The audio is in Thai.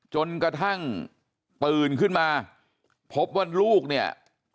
จนกระทั่งตื่นขึ้นมาพบว่าลูกเนี่ย